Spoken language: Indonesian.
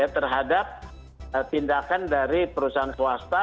terhadap tindakan dari perusahaan swasta